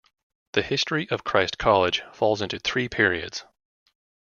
The history of Christ College falls into three periods.